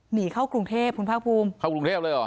หนีเข้ากรุงเทพคุณภาคภูมิเข้ากรุงเทพเลยเหรอ